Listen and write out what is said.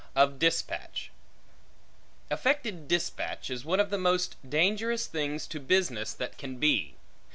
Of Dispatch AFFECTED dispatch is one of the most dangerous things to business that can be.